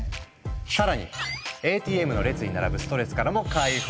更にＡＴＭの列に並ぶストレスからも解放！